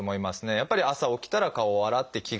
やっぱり朝起きたら顔を洗って着替える。